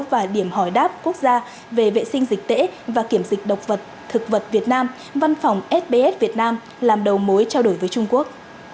và điểm hỏi đáp quốc gia về vệ sinh dịch tễ và kiểm dịch động vật thực vật việt nam văn phòng sps việt nam làm đầu mối trao đổi với trung quốc